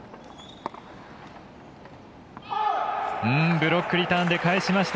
ブロックリターンで返しました。